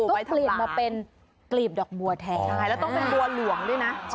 ผลิตมาเป็นกลีบดอกบัวแทนใช่แล้วต้องเป็นบัวหลวงด้วยนะ